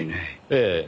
ええ。